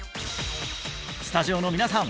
スタジオの皆さん